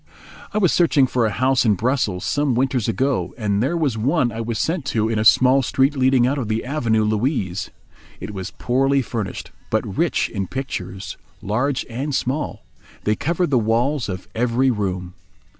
I was searching for a house in Brussels some winters ago, and there was one I was sent to in a small street leading out of the Avenue Louise. It was poorly furnished, but rich in pictures, large and small. They covered the walls of every room.